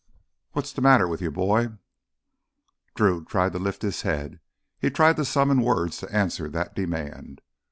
"What's the matter with you, boy?" Drew tried to lift his head, tried to summon words to answer that demand.